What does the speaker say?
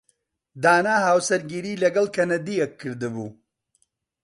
دانا هاوسەرگیریی لەگەڵ کەنەدییەک کردبوو.